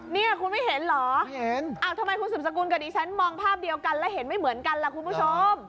เนี่ยคุณไม่เห็นเหรอทำไมคุณสืบสกุลกับดิฉันมองภาพเดียวกันแล้วเห็นไม่เหมือนกันล่ะคุณผู้ชม